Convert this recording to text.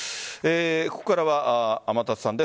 ここからは天達さんです。